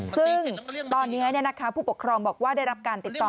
ซึ่งตอนนี้ผู้ปกครองบอกว่าได้รับการติดต่อ